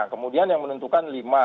kemudian yang menentukan lima